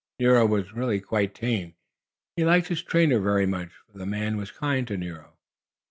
Nero was really quite tame, and he liked his trainer very much, for the man was kind to Nero.